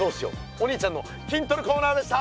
お兄ちゃんの筋トレコーナーでした。